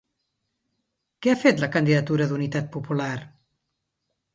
Què ha fet la Candidatura d'Unitat Popular?